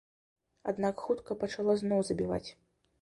Аднак хутка пачала зноў забіваць.